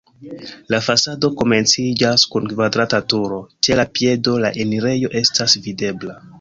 La fasado komenciĝas kun kvadrata turo, ĉe la piedo la enirejo estas videbla.